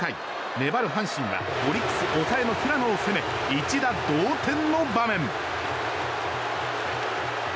粘る阪神はオリックス抑えの平野を攻め１打同点の場面。